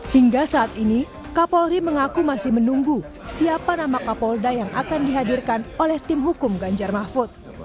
hingga saat ini kapolri mengaku masih menunggu siapa nama kapolda yang akan dihadirkan oleh tim hukum ganjar mahfud